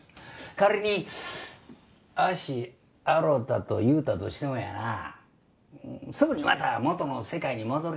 仮に足洗うたと言うたとしてもやなすぐにまた元の世界に戻るやろ思うてん。